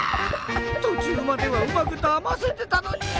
とちゅうまではうまくだませてたのに！